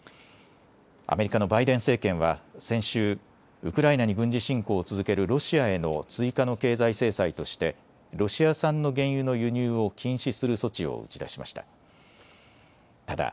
アメリカのバイデン政権は先週、ウクライナに軍事侵攻を続けるロシアへの追加の経済制裁としてロシア産の原油の輸入を禁止する措置を打ち出しました。